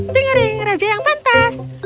tingering raja yang pantas